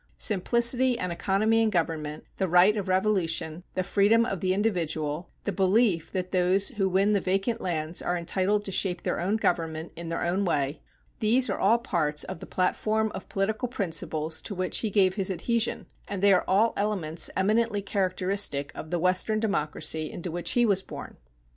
Simplicity and economy in government, the right of revolution, the freedom of the individual, the belief that those who win the vacant lands are entitled to shape their own government in their own way, these are all parts of the platform of political principles to which he gave his adhesion, and they are all elements eminently characteristic of the Western democracy into which he was born.